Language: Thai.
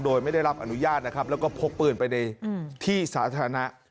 โดยไม่ได้รับอนุญาตนะครับแล้วก็พกปืนไปในที่สาธารณะ